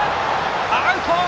アウト！